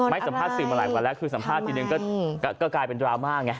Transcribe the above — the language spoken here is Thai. สัมภาษณ์สื่อมาหลายวันแล้วคือสัมภาษณ์ทีนึงก็กลายเป็นดราม่าไง